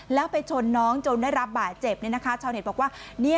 แล้วไปชนน้องจนได้รับบาดเจ็บชาวเน็ตบอกว่า